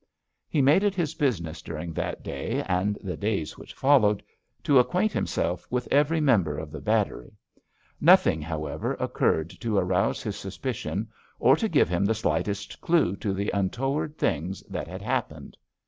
He made it his business during that day, and the days which followed, to acquaint himself with every member of the battery. Nothing, however, occurred to arouse his suspicion or to give him the slightest clue to the untoward things that had happened.